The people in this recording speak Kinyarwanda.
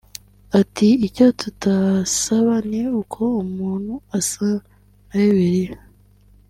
Ati “Icyo tubasaba ni uko umuntu asa na Bibiliya